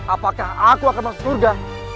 apakah aku akan masuk surga